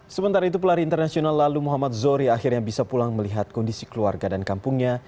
sementara itu pelari internasional lalu muhammad zohri akhirnya bisa pulang melihat kondisi keluarga dan kampungnya